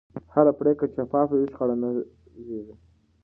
هره پرېکړه چې شفافه وي، شخړه نه زېږي.